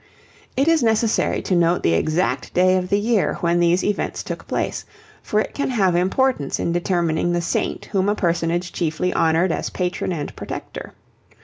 It is necessary to note the exact day of the year when these events took place, for it can have importance in determining the saint whom a personage chiefly honoured as patron and protector.